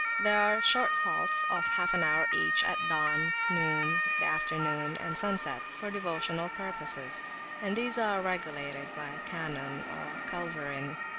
There are short halts, of half an hour each, at dawn, noon, the afternoon, and sunset, for devotional purposes, and these are regulated by a cannon or a culverin.